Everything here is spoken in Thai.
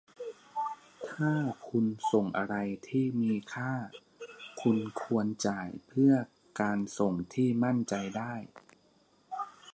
ถ้าคุณส่งอะไรที่มีค่า คุณควรจ่ายเพื่อการส่งที่มั่นใจได้